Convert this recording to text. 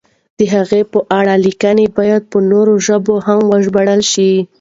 د هغه په اړه لیکنې باید په نورو ژبو هم وژباړل شي.